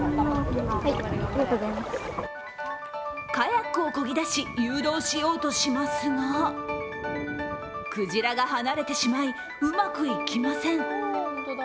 カヤックを漕ぎだし、誘導しようとしますがクジラが離れてしまいうまくいきません。